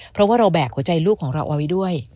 เพราะว่าเราแบกหัวใจลูกของเราเอาไว้ด้วย